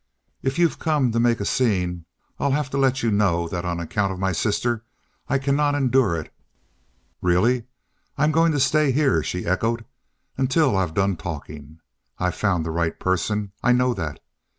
"If you've come to make a scene, I'll have to let you know that on account of my sister I cannot endure it. Really " "I'm going to stay here," she echoed, "until I've done talking. I've found the right person. I know that.